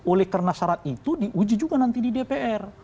oleh karena syarat itu diuji juga nanti di dpr